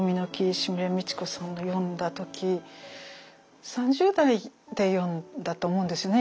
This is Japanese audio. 石牟礼道子さんの読んだ時３０代で読んだと思うんですよね。